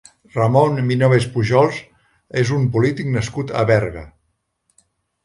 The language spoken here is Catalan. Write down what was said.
Ramon Minoves Pujols és un polític nascut a Berga.